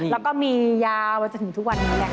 แล้วก็มียาวมาจนถึงทุกวันนี้แหละค่ะ